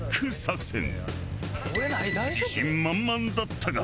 自信満々だったが。